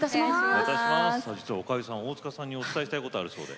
おかゆさん、大塚さんにお伝えしたいことあるそうで。